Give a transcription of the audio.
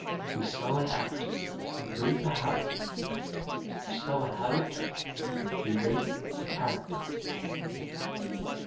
"We sow an act, we reap a habit; we sow a habit, we reap a character."